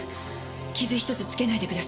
傷ひとつ付けないでください。